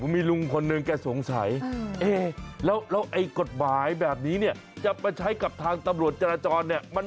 มีลุงคนหนึ่งแกสงสัยแล้วไอ้กฎหมายแบบนี้เนี่ยจะไปใช้กับทางตำรวจจราจรเนี่ย